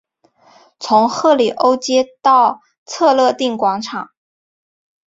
从赫里欧街到策肋定广场。